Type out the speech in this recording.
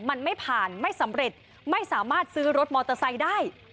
มันไม่ผ่านไม่สำเร็จไม่สามารถซื้อรถมอเตอร์ไซค์ได้